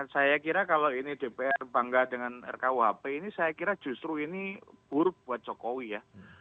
saya kira kalau ini dpr bangga dengan rkuhp ini saya kira justru ini buruk buat jokowi ya